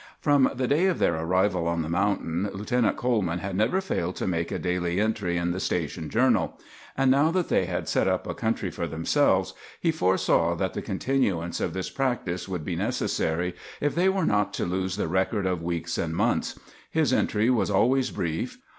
From the day of their arrival on the mountain, Lieutenant Coleman had never failed to make a daily entry in the station journal; and now that they had set up a country for themselves, he foresaw that the continuance of this practice would be necessary if they were not to lose the record of weeks and months. His entry was always brief.